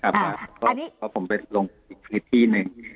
เพราะผมไปลงอีกคลิปที่หนึ่ง